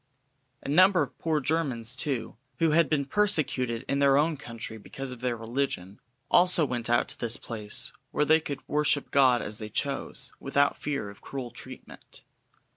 A number of poor Germans, too, who had been persecuted in their own country because of their religion, also went out to this place where they could worship God as they chose, without fear of cruel treatment.